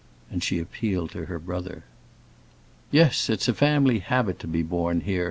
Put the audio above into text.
and she appealed to her brother. "Yes, it's a family habit to be born here!"